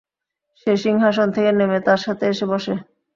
সে সিংহাসন থেকে নেমে তার সাথে এসে বসে।